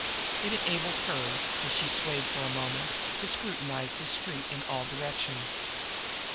It enabled her, as she swayed for a moment, to scrutinize the street in all directions.